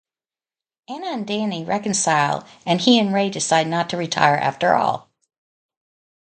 Anna and Danny reconcile and he and Ray decide not to retire after all.